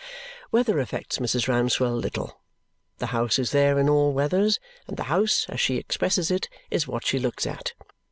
Weather affects Mrs. Rouncewell little. The house is there in all weathers, and the house, as she expresses it, "is what she looks at."